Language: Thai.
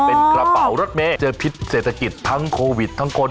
เป็นกระเป๋ารถเมย์เจอพิษเศรษฐกิจทั้งโควิดทั้งคน